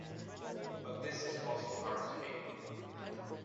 But this is also hard to me.